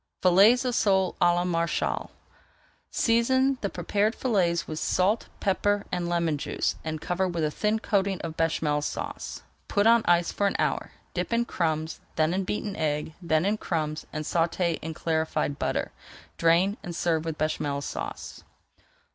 FILLETS OF SOLE À LA MARÉCHALE Season the prepared fillets with salt, pepper, and lemon juice, and cover with a thin coating of Béchamel Sauce. Put on ice for an hour, dip in crumbs, then in beaten egg, then in crumbs, and sauté in clarified butter, drain, and serve with Béchamel Sauce.